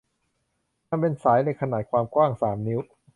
มันเป็นสายเหล็กขนาดความกว้างสามนิ้ว